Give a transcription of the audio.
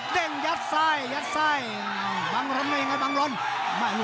เย็นยัดไส้ยัดไส้บังรันเล่นง่ะบังรัน